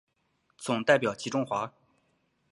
总代表吉钟华。